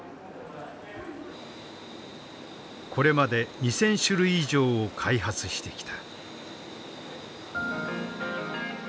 これまで２，０００種類以上を開発してきた。